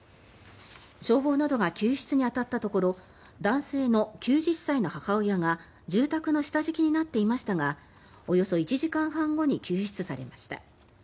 消防などが救出に当たったところ男性の９０歳の母親が住宅の下敷きになっていましたがおよそ１時間半後に救出されました。